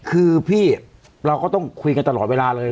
คือพี่เราก็ต้องคุยกันตลอดเวลาเลย